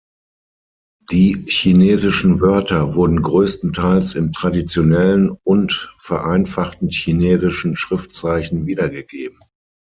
Die chinesischen Wörter wurden größtenteils in traditionellen "und" vereinfachten chinesischen Schriftzeichen wiedergegeben.